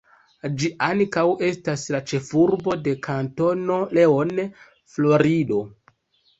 Ĝi ankaŭ estas la ĉefurbo de Kantono Leon, Florido.